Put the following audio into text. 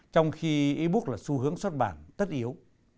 trong khi e book là xu hướng xuất bản tất yếu